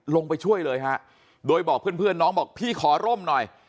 ลงไปช่วยเลยฮะโดยบอกเพื่อนเพื่อนน้องบอกพี่ขอร่มหน่อย